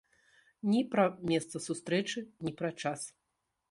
Ні пра месца сустрэчы, ні пра час.